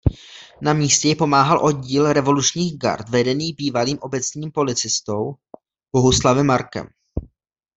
Na místě ji pomáhal oddíl Revolučních gard vedený bývalým obecním policistou Bohuslavem Markem.